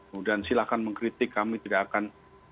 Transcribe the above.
kemudian silahkan mengkritik kami tidak akan